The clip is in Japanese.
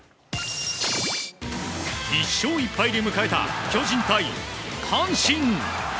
１勝１敗で迎えた巨人対阪神。